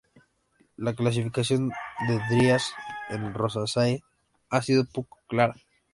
La clasificación de "Dryas" en Rosaceae ha sido poco clara.